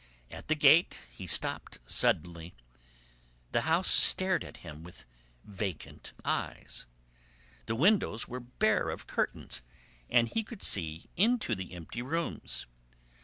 At the gate he stopped suddenly. The house stared at him with vacant eyes. The windows were bare of curtains and he could see into the empty rooms.